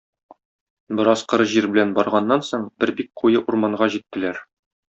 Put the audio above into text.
Бераз коры җир белән барганнан соң, бер бик куе урманга җиттеләр.